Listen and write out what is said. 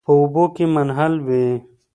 په اوبو کې منحل وي.